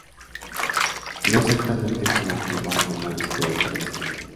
No exactamente como fumar cannabis, pero parecido.